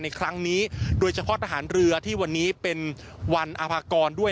ในครั้งนี้โดยเฉพาะทหารเรือที่วันนี้เป็นวันอภากรด้วย